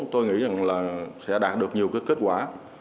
tôi nghĩ là sẽ đạt được nhiều kết quả